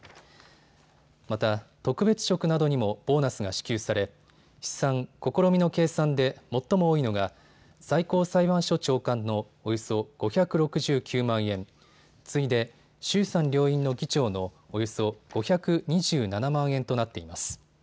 また特別職などにもボーナスが支給され試算・試みの計算で最も多いのが最高裁判所長官のおよそ５６９万円、次いで衆参両院の議長のおよそ５２７万円となっています。